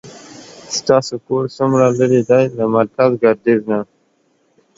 ستاسو کور څومره لری ده له مرکز ګردیز نه